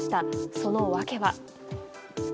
その訳は。